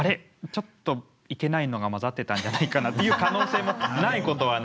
ちょっとイケナイのが混ざってたんじゃないかなという可能性もないことはないと。